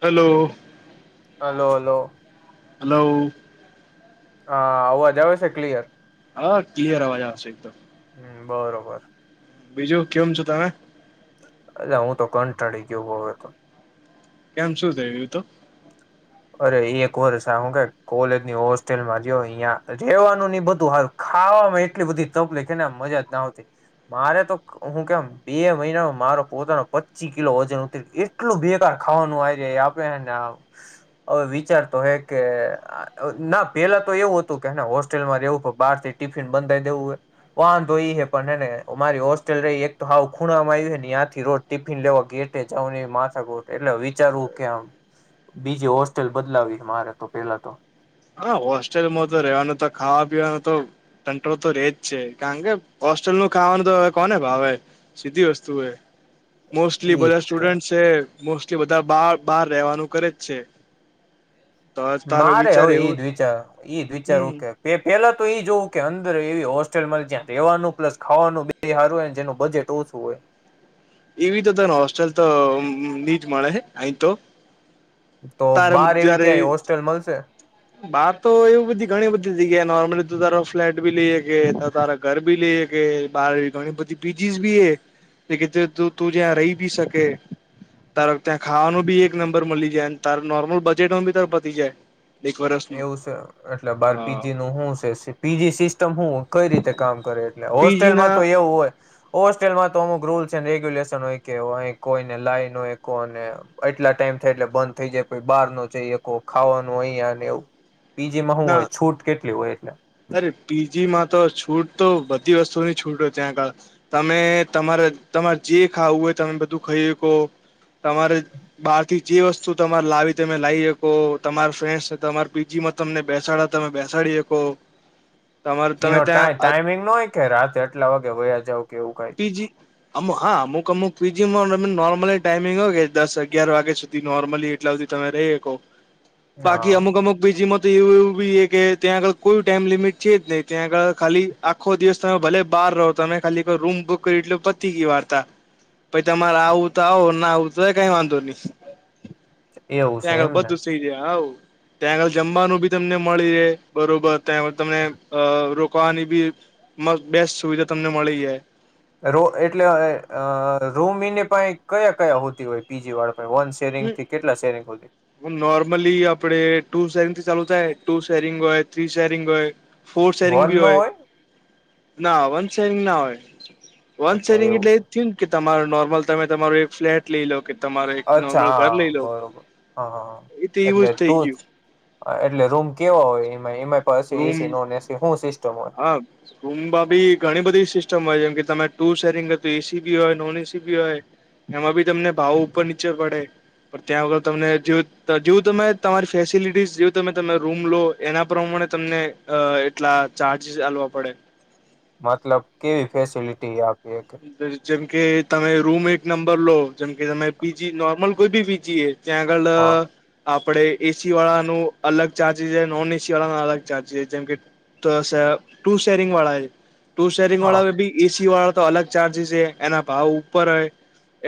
Hello hello hello hello હા અવાજ આવે છે ક્લિયર હા ક્લિયર અવાજ આવે છે એકદમ હમ બરોબર બીજું કેમ છો તમે? અચ્છા હું તો કંટળી ગયો હવે તો કેમ શું થયું તું? અરે એક વરષ આ હું કે કોલેજની હોસ્ટેલમાં જયો ઈયા રેવાનું ને ઈ બધું હારુ ખા ખાવામાં એટલી બધી તપલીક હે ને મજા જ ના આવતી મારે તો હું કેમ બે મહિનામાં મા રો પોતાનો પચી કિલો વજન ઉતરી એટલું બેકાર ખાવાનું આયરા આપે હે ને ના હવે વિચારતો હે કે ના પેલા તો એવું હતું કે હોસ્ટેલમાં રહેવું પણ બારથી ટિફિન બંધાઈ દેવું હે વાંધો ઈ હે પણ હે ને મારી હોસ્ટેલ રહી એક તો હાવ ખૂણામાં આવ્યું છે ને યાંથી રોજ ટિફિન લેવા કે રીતે જાવનું એ માથાકૂટ એટલે વિચારવું કે આમ બીજી હોસ ટેલ બદલાવી હે મારે તો પહેલા તો હા હોસ્ટેલમાં તો રેવાનું તો ખાવા પીવાનું તો તંટ્રો તો રે જ છે કારણ કે હોસ હોસ્ટેલ નું ખાવાનું તો હવે કોને ભાવે સીધી વસ્તુ હે મોસ્ટલી ઈ બધા સ્ટુડન્ટ છે મોસ્ટલી બધા બાર બાર રેવાનું કરે જ છે તો તારો વિચાર એવું ચાર ઈ જ વિચારું હમ કે [inaudible] પેલા તો ઈ જોવું કે અંદર એવી હોસ્ટેલમાં જ્યાં રહેવાનું પ્લસ ખાવાનું બે હારું હોય ને જેનું બજેટ ઓછું હોય એવી તો તને હોસ્ટેલ તો ની જ મળે અહીં તો તો તારે બાર એવી જયારે ક્યાંય હોસ્ટેલ મલશે? બાર તો એવું બધી ઘણી બધી જગ્યા નોર્મલી તું તારો ફ્લેટ ભી લઈ હકે તારા ઘર ભી લઈ હકે બાર ગણી બધી પીજીસ બી હે કે જે તું તું જ્યાં રહી બી શકે. તાર ત્યાં ખાવાનું બી એક નંબર મલી જાયને તાર નોર્મલ બજેટમાં બી તાર પતી જાય એક વર્ષનું એવું છે એટલે બાર હા પીજી નું હું સે પીજી સિસ્ટમ હું કઈ રીતે કામ કરે એટલે પીજી હોસ્ટેલમાં ના તો એવું હોય હોસ્ટેલમાં તો અમુક રૂલ્સ એન રેગ્યુલેશન હોય કે અહીં કોઈને લાઈન હોય કોને એટલા ટાઈમ એટલે બંધ થઈ જાય બહાર ન જ ખાવાનું અહીયા પીજીમાં શું ના હોય છૂટ કેટલી હોય એટલે અરે પીજી માં તો છૂટ તો બધી વસ્તુની છૂટ હોય ત્યાં આગળ તમે તમારે તમારે જે ખાવું હોય તમે બધું ખાઈ શકો તમારે બહાર થી જે વસ્તુ તમારે લાવી તમે લાવી શકો તમારે ફ્રેન્સને તમારે પીજી માં તમને બેસાડા તમે બેસાડી શકો તમારે એનો તમે ટ ત્યાં ટાઈમિંગ નો હોય કે રાતે આટલા વાગે વયા જઉ કે એવું કઈ પીજી અમુ હા અમુક અમુ પીજી તમે નોર્મલી ટાઈમિંગ હોય કે દસ અગિયાર વાગ્યા સુધી નોર્મલી એટલા વાગે તમે રહી શકો બાકી હા અમુક અમુક પીજી ુંવુંી કે ત્યાં આગળ કોઈ ટાઈમ લિમિટ છે જ નહી ત્યાં આગળ ખાલી આખો દિવસ તમે ભલે રહો તમે ખાલી કો રૂમ બુક કરી એટ પતિ ગઈ વાર્તા પછી તમારે આવું તો આવો ના આવું તો કઈ વાંધો નહી એવું છે ત્યાં આગળ એમને બધું થઈ જાય આવ ત્યાં આગળ જમવાનું બી તમને મળી રહે બરોબર ત્યાં આગળ તમને રો આની બી બેસ્ટ સુવિધા તમને મળી જાય રો એટલે રોમીને પા કયા કયા હોતી હોય પીજી વાળા પાહે વન શેરિંગ હમ થી કેટલા શેરિંગ હુધી હ નોર્મલી આપડે ટુ શેરિંગ થી ચાલુ જાય ટુ શેરિંગ હોય થ્રી શેરિંગ હોય ફોર શેરિંગ વન બી નો હોય ના વન શેરિંગ ના હોય વન અચ્છા સેરિંગ એવું એટલે એ છે થયું કે તમારું નોર્મલ તમે તમારું એક ફ્લેટ લઈ લો કે તમાર અચ્છા હા બરોબર હા હા એ તો એવું એટલે જ થઈ તું ગયું જ એટલે રૂમ કેવા હોય એમાં એમાં પ એસી નોન એસી હું સિસ્ટ હાબ ભી ઘણી બધી સિસ્ટ યમ કે તમે ટુ સેરીિંગ એસી બી હોય નોન એસી બી હોય એમાં બી તમને ભાવો ઉપર નીચે પડે પણ ત્યાં વગર તમને જેવું તમે તમારી ફેસિલિટી જેવું તમે તમે રૂમ લો એના પ્રમાણે પણ તમને એટલા ચાર્જ ચાલવા પડે મતલબ કેવી ફેસિલિટી આ જેમકે તમે રૂમ એક નંબર લો જેમકે તમે પીજી નોર્મલ કોઈ ભી બીજીીએ ત્યા આગ હા આપ આપે એસી વાળા ન અલગ ચાર્જસ નોન એસી વાળા ન અલગ ચાર્જસ જેમ કે તો ટુ શેરિંગ વાળા હ ટુ શેરિંગ હા વાળા બી એસી વાળા તો અલગ ચાર્જિસ છે એના ભાવ ઉપર હોય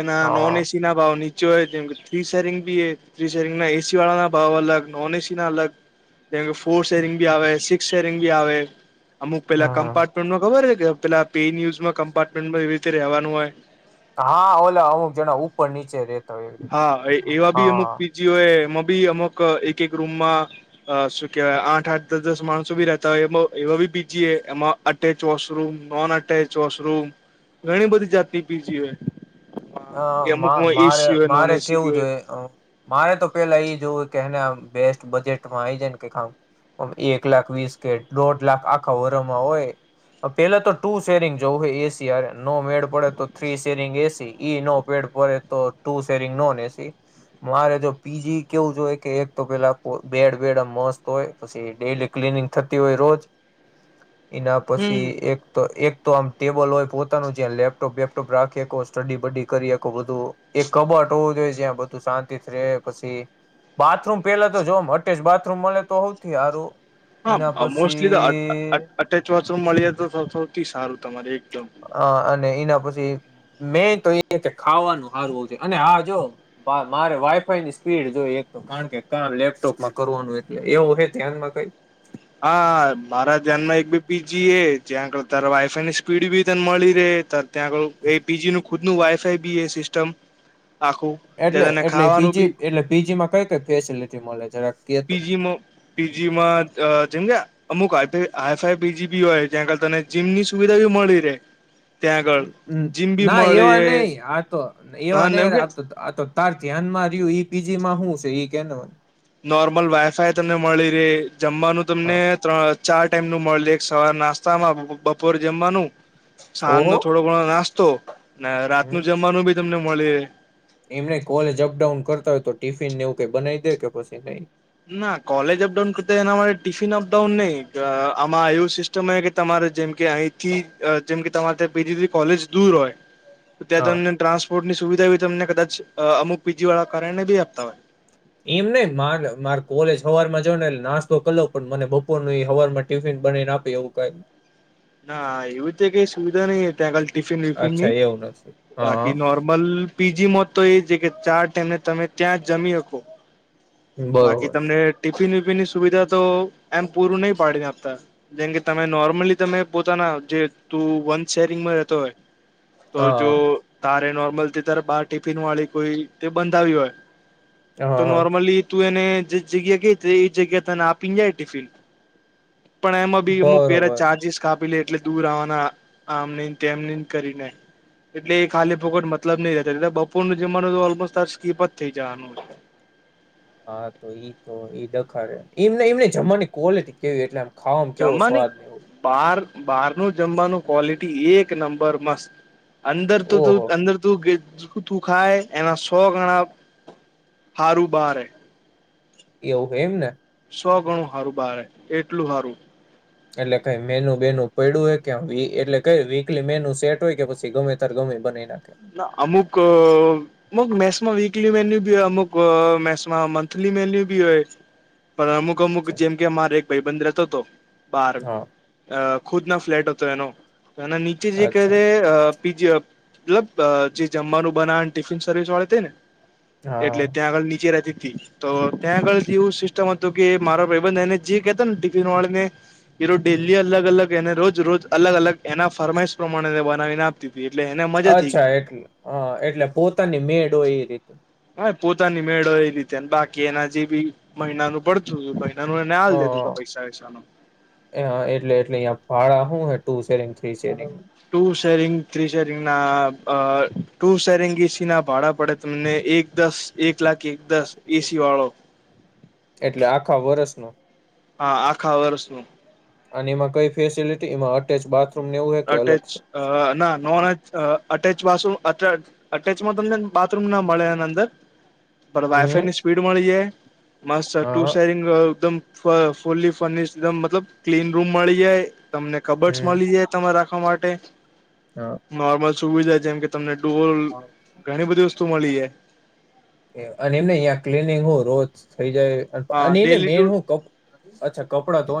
એના નોન હા એસી ના ભાવની ચ થ્રી સેરિંગ બી એ થ્રી સેરિંગ ના એસી વાળા ના ભાવ અલગ નોન એસી ના અલગ જેમ કે ફોર્ શેરિંગ ભી આવે સિક્સ શેરિંગ ભી આવે અમુક પેલા હમ હમ. કમ્પ્ટમેન્ટમાં ખબર છે કે પેલા પેુઝ કમ્પાર્ટમેન્ટમાં એવી રીતે રહેવાનું હોય હા ઓલા અમુક જણા ઉપર નીચે રેતા હોય એવી રીતે હા એવા બી અમુક હા પીજીઓ એ એમાં બી અમુક એક એક રૂમમાં શું કેહેવાય આઠ આઠ દસ દસ માણસો બી રતા હોય એવા બી બીજીએ એમાં attach washroom non attach washroom મ ઘણી બધી જાત પીજીી હોય અ એ અમુકમાં મારે એસી હોય નોન મારે એસી બી કેવું હોય જોઈએ મારે તો પેલા એ જોું કેને બેસ્ટ બજેટમાં આ જાય ને કે એક લાખ વીસ કે દોઢ લાખ આખા વરમાં હોય પેલા તો ટુ શેરિંગ જોવું હોય એસી અ નો મેડ પડે તો થ્રી શેરિંગ એસી ઈ નો પેડ પડે તો તુ શેરિંગ નો નેસી મારે જો પીજી કેવું જો હોય કે એક તો પેલા બેડ બેડ મસ્ત હોય પછી ડેલી ક્નંગ થતી હોય રોજ હ એના પછી એક તો એક તો આમ ટેબલ હોય પોતાનું જે્યા લેપટોપ વેપટોપ રાખી કો સ્ટડી કબડ્ડી કરી બધું એક કબટ હોવું જોઈએ જ્યાં બધું શાંતિ રહે પછી બાથરૂમ પેલા તો જોવા માટેટે જ બાથરૂમ મળે તો હોઉથી સારું હા મોસ્ટલી તો અટેચ વાથરૂમ મળી જ તો સૌથી સારું તમા હ અને એના પછી મે તો એ કે ખાવાનું હારવું છે અને હ જો મારે વાઈફાઈ ની સ્પીડ જો તો કારણ કે ક લેપટોપમાં કરવાનું એટલે એવું હે ધ્યાનમાં કઈ તં આગળ ત વાયફાઈ ની સ્પીડ બી તને મળી રહે ત ત્યાં આગ એપીજી નું ખુદનું વાઇફાઈ બી એ સિસ્ટમ આખું તે એટલે તને ખાવાનું એટલેીજી બી એટલે પીજીમાં કઈ કઈ ફેસિલટી મળે જરા પીજી પીજીમાં જેમ ગયા અમુક હ હાઈ ફાઈ બીજી બી હોય જ્યાં તને જીમ ની સુવિધા બી મળી રહે ત્યાં આગળ જીમ બી ના મળી એવા રહે નહ આ તો હા એવા નહ એમ કે આ તો તાર ધ્યાનમાં રહ્યું પીજી માં હું છે એ કે નોર્મલ વાઈફાય તમને મળી રહે જમવાનું તમને ત્રણ ચાર ટાઈમ નું મળ લે એક સવાર નાસ્તામાં બપોરે જમવાનું સાંજ નો ઓહો થોડો ઘણો નાસ્તો તો ને રાત હમ ન જમવાનું બી તમને મળી એમને કોલેજ અપડાઉન કરતા હોય તો ટિફિનને એવું કઈ બનાવી દે કે પછી નહી ના કલેજ અપડાઉન કર ટીફિ અપડાાઉન નઈ આુ સિસ્ટમ જેમકે અહીંથી જેમકે તમારે ત્યા બી કોલેજ દૂર હોય ત્યાં હા તમને ટ્રાન્સપોર્ટની સુવિધા બી તમને કદાચ અમુક બીજી વાળા કારણેને બી આપતા હોય એમ નહ મારે મારે કોલેજ હવાર માં જ ને નાસ્તો કર લો પણ મને બપોર ન હવાર માં ટિફિન બને ના પી એવું કઈ ના એવું તે કઈ સુવિધા નહી ત્યાં કાલ ટિફિન વિફિન ની અચ્છા એવું નથી હા બાકી નોર્મલ પીજી મો તો એ જે કે ચાર ટાઈમને તમે ત્યાં જમી શકો બાકી બરોબર તમને ટિફિન ની સુવિધા તો એમ પૂરું નહી પાડીને આપતા જેમ કે તમે નોર્મલી તમે પોતાના જે તું વ શેરિંગમાં રહેતો હોય તો જો હા તારે નોર્મલથી તારે બાર ટિફિન વાળી કોઈ તે બંધાવ હોય હા તો હા. નોર્મલી તું એને જે જગ્યા કઈ હતી એ જગ્યા તને આપી ને જાય ટિફિડ પણ એમાં બી હુક પેરા બરોબર ચાર્જિસ કાપી લે એટલે દૂર આવવાના આમ તેમની કરીને એટલે એ ખાલી પોકટ મતલબ નહતા બપોર નો જમાનું ઓલમો ત સ્કીપ જ થઈ જવાનું હા તો ઈ તો એઈ દખા એમ એમને જમવાની કોલે કેવી એટલેમ જમવા નની બાર બહાર ન જમવાનું ક્વોલિટી એક નંબર મસ્ત અંદર તો ત ઓહો અંદર તું તું ખાય એના સો ગણા હારું બારે એવું એમને સો ગણું સારું બાર એટલું સારું એટલે કઈ મેનુ બેનનું પડું હોય કે એટલે ક વીકલી મેનુ સેટ હોય કે પછી ગમે તરમે મે બને્યા અમુક અમુક મેસમાં વીકલી મેન્યુ બી અમુક મેસમાં મંથલી ની મેન્યુ ભી હોય પણ અમુક અમુક અચ્છા જેમ કે અમારે એક ભાઈબંધ રહેતો હતો બાર હા ખુદ ના ફ્લેટ હતો એનો એના નીચે જે ક અચ્છા પીજી મતલબ જે જમવાનું બનાવણ ટિફિન સર્વિસ વાળે થ ને એટલે હા ત્યાં આગળ નીચે રાતી તો ત્યાં આગળ થી એવું સિસ્ટમ હતું કે મારા ભાઈબંધ એને જે કતા ને ટિફિન વાળી ને એ ર હમ. ડેલી અલગ અલગ એને રોજ રોજ અલગ અલગ એના ફરમાઈશ પ્રમાણે બનાવીને આપતી હતી એટલે એને મજા થઈ અચ્છા ગઈ એટલે હ એટલે પોતાની મેડ હો એ રીતે હા પોતાની મેળવે એલીતે બાકી એના જે બી મહિનાનું પડતુંય હ એટલે એટલે અહ ભાડા હોય ટુ શ્રીરે શી શીરે ટુ શેરિંગ થ્રી શેરિંગ ના અ ટુ શેરિંગ એસીી ના ભાડા પડે તમને એક દસ એક લાખ એક દસ એસી વાળો પ્રશ્નો હા આખા વર્ષનું અને એમાં કઈ ફેસિલિટી એમાં અટેચ બાથ અટેચ ના નોન અ અટેચથરૂમ અ અટેચમાં તમનેને બાથરૂમ ના મળે એની અંદર હમ વાયફાઈની સ્પીડ મળી જાય માસ્ ટુ હા સરંગમ ફુલી ફર્નિશલ ક્લીન રૂમ મળી જાય તમને કબડ હમ મળી જાય તમા રાખવા માટે હા નોર્મલ સુવિધા જેમ કે તમને ડોલ ઘણી બધી વસ્તુ મળી છે અને એમને અહં ક્લીનિંગ હું રોજ હા જ ડેલી ટુ મેછા કપડા તો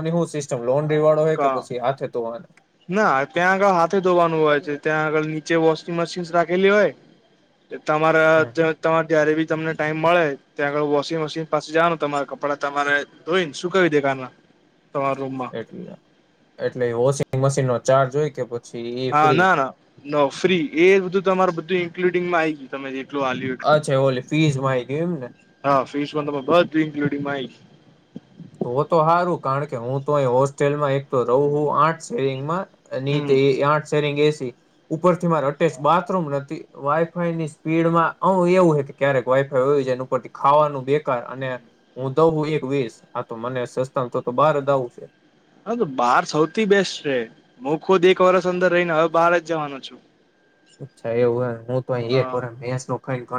લોન રિવાડો હોય કે પછી હાથ તો આને ના ત્યાં આગળ હાથે ધોવાનું હોય છે હમ ત્યાં આગળ નીચે વોશિંગ મશીનસ રાખેલી હોય તમારા હમ તમારે ત્યારે બી તમને ટાઈમ મળે ત્યાં આળ વોશિંગ મશીન પાસે જનું તમારે કપડા તમારે ધોઈને સુક દેખના એટલે એટલે વોશિંગ મશીન નો ચાર્જ હોય કે પછી એ હા ફ્રી ના ના ન ફ્રી એ બધું તમારું બધું ઇન્ક્લુડિંગમાં આ ગયું તમે આલુ એટલું અચ્છા ઓલી ફીસ માં આઈ ગયું એમ ને હા ફીસ મફત ઇકલુડીગ મઇ તો તો સારું કારણ કે હું તોહી હોસ્ટેલમાં એક તો રહું આઠ સેરિંગમાં હી હમ તે એ આઠ કરીએ એસી ઉપરથીરથી બાથરુમ નથી વાઈફાઈની સ્પીડમાં અ એવું ક્યારેક વાઈફાઈ હોું એ ઉપથી ખાવાનું બેકાર અને હું દઉું એક વસ હા તો મને સસ્તાંગ તો તો બહાર જ આવું છે હ તો બહાર સૌથી બેસ્ટ છે હું ખુદ એક વરષ અંદર રહીને હવે બહાર જ જવાનો છું અચ્છા એવું હું તો એ હા મસ ન ઘણી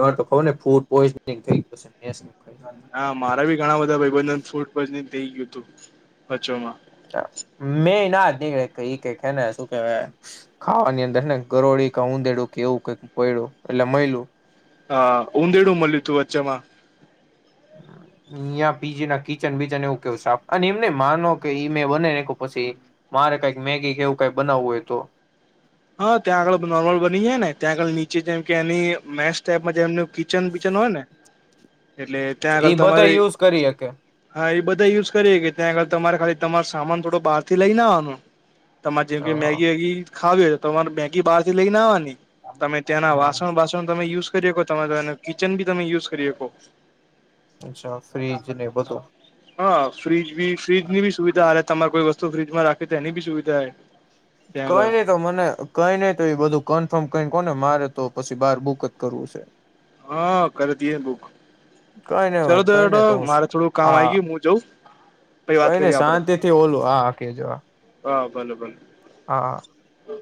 વાર તો ખબર ને ફૂડ પોઈઝનિંગ થઈ જશે હા મારા ભી ઘણા બધા ભાઈભંધન ફૂટ થઈ ગયું હતું વચમાં મે ના ઈ કેે ને શું કેવા ખાવાની અંદર ને ગરોડી ક ઉઊંધેડું કેવું કઈ પડું અલા મઈલું હા ઊંધેડું મળ્યું તું વચ્ચેમાં હ પીજી ના કિચન બચન એવું કેવું સા અને એમને માનો કે ઈ મેં બનેને પછી મારે કઈક મેગી કેવું કઈ બનાવવું હોય તો હા ત્યાં આગળ નોર્મલ બની જાય ને ત્યાં આગળ નીચે જેમ કે એની મેસ ટાઈપમાં જેમ કિચન બચન હોય ને એટલે ત્યાં ઈ આગળ બધા તમારે યુઝ કરી હકે હા એ બધા યુઝ કરી કે ત્યાં આગળ તમારે ખાલી તમારો સામાન થોડો બહારથી લઈને આવવાનો તમારે જેમ અ કે મેગી વેગી ખાવ્યો તમાર બેકી બાારથી લલેગ નાવાની તમે ત્યાંના વાસણ વાસણ તમે યુઝ કરીકો તમે એ કિચન બી તમે યુઝ કરી શકો અચ્છા ફ્ર્રીજ ને બધું હા ફ્રીજ બી ફ્રીજ ની બી સુવિધા હાલે તમારે કોઈ વસ્તુ ફ્રીિજમાં રાખે તો એની બી સુવિધા હ કઈ ન તો મને કઈ નહી તો એ બધું કન્ફર્મ કઈ કોને મારે તો પછી બાર બુક જ કરવું છે હા કર દએ બુક કઈ નઈ ચાલો કઈ તો નઈ હું મારે થોડું કામ આ હા ગયું હું જઉં પહી વાત કઈ કરીએ નઈ આપડે શાંતિ થી ઓલું આ હકી જો આ હા ઓ